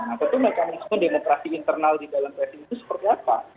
nah tentu mekanisme demokrasi internal di dalam tracing itu seperti apa